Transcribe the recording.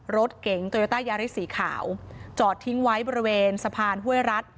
รถเก๋งโตโยต้ายาริสสีขาวจอดทิ้งไว้บริเวณสะพานห้วยรัฐ